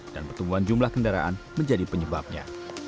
dan pertumbuhan jumlah kendaraan menjadi penyebabnya